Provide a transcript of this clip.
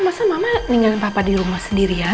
masa mama tinggal papa di rumah sendiri ya